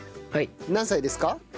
何歳ですか？